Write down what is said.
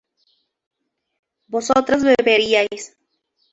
vosotras beberíais